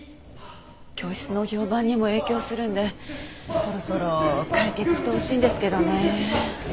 教室の評判にも影響するのでそろそろ解決してほしいんですけどね。